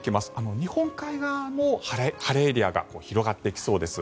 日本海側も晴れエリアが広がっていきそうです。